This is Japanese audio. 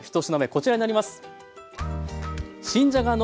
こちらになります。